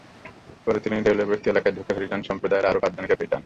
পরে তিনি রেলওয়ে বস্তি এলাকায় ঢুকে হরিজন সম্প্রদায়ের আরও পাঁচজনকে পেটান।